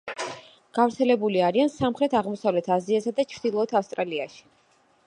გავრცელებული არიან სამხრეთ-აღმოსავლეთ აზიასა და ჩრდილოეთ ავსტრალიაში.